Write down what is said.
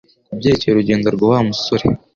kubyerekeye urugendo rwa Wa musore